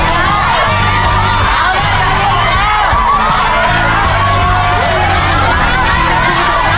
อ้าวจังหยุดนะ